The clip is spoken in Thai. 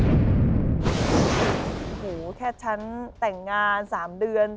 โอ้โหแค่ฉันแต่งงาน๓เดือน